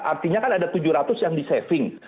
artinya kan ada tujuh ratus yang di saving